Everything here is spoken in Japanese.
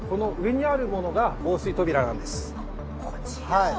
はい。